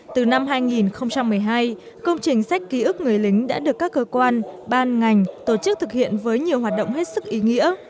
từ năm hai nghìn một mươi hai công trình sách ký ức người lính đã được các cơ quan ban ngành tổ chức thực hiện với nhiều hoạt động hết sức ý nghĩa